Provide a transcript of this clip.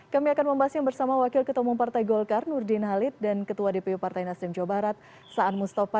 kami akan membahasnya bersama wakil ketua umum partai golkar nurdin halid dan ketua dpw partai nasdem jawa barat saan mustafa